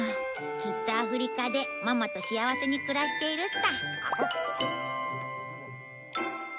きっとアフリカでママと幸せに暮らしているさ。